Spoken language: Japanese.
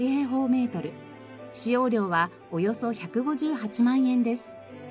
使用料はおよそ１５８万円です。